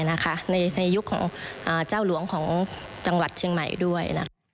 ในยุคของเจ้าหลวงของจังหวัดเชียงใหม่ด้วย